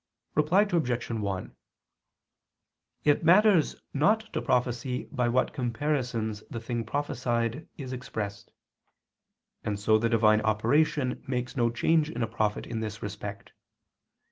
Reply Obj. 1: It matters not to prophecy by what comparisons the thing prophesied is expressed; and so the Divine operation makes no change in a prophet in this respect.